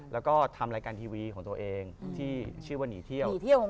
แล้วก็ทำรายการทีวีของตัวเองที่ชื่อว่าหนีเที่ยว